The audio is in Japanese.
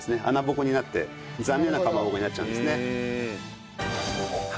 穴ぼこになって残念なかまぼこになっちゃうんですね。